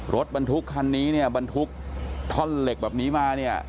รถบรรทุกคันนี้เนี่ยบรรทุกท่อนเหล็กแบบนี้มาเนี่ย